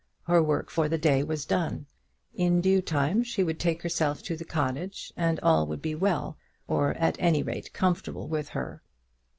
Her work for the day was done. In due time she would take herself to the cottage, and all would be well, or, at any rate, comfortable with her.